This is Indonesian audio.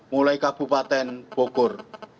mulai kabupaten bogor